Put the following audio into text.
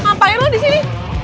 ngapain lo disini